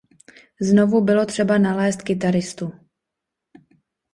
Znovu bylo třeba nalézt kytaristu.